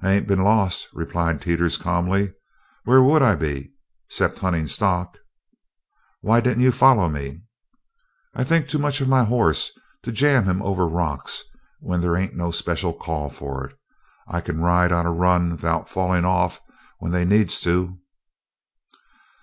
"I ain't been lost," replied Teeters calmly. "Where would I be 'cept huntin' stock?" "Why didn't you follow me?" "I think too much of my horse to jam him over rocks when there ain't no special call for it. I kin ride on a run 'thout fallin' off, when they's need to."